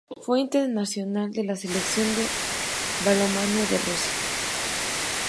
Fue internacional con la Selección de balonmano de Rusia.